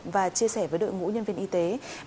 và chia sẻ với đội ngũ nhân viên chính sách